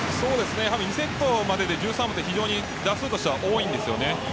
２セットまでで１３本と打数としては多いんですね。